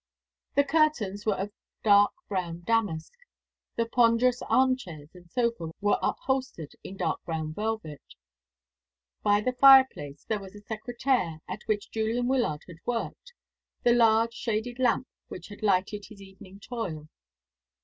The curtains were of dark brown damask; the ponderous armchairs and sofa were upholstered in dark brown velvet. By the fireplace there was the secrétaire at which Julian Wyllard had worked, the large shaded lamp which had lighted his evening toil.